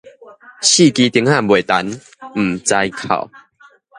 四枝釘仔未霆毋知哭